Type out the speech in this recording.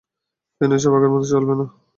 কেন এসব আগের মতো চলবে না?